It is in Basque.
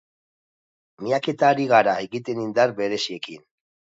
Miaketa ari gara egiten indar bereziekin.